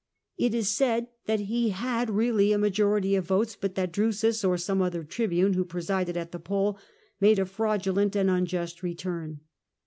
It is said that he had really a majority of votes, but that Drusus or some other tribune who presided at the poll made a fraudulent and unjust return.